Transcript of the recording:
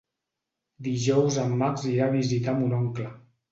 Dijous en Max irà a visitar mon oncle.